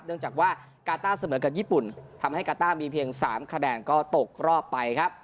เนื่องจากว่ากาต้าเสมอกับญี่ปุ่นทำให้กาต้ามีเพียง๓คะแนนก็ตกรอบไปครับ